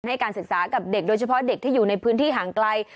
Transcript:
ให้การศึกษากับเด็กโดยเฉพาะเด็กที่อยู่ในพื้นที่ห่างไกล